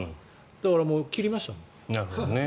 だから、切りましたもん。